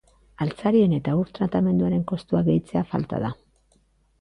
Altzarien eta ur tratamenduaren kostuak gehitzea falta da.